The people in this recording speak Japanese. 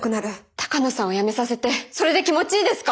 鷹野さんを辞めさせてそれで気持ちいいですか？